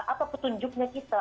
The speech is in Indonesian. apa petunjuknya kita